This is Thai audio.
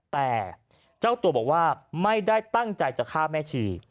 แต่เจ้าตัวบอกว่าไม่ได้ตั้งใจจะฆ่าแม่ชี